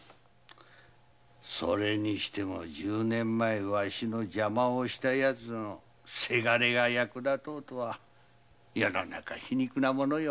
それにしても十年前わしの邪魔をした者の倅が役立とうとは世の中皮肉なものよ。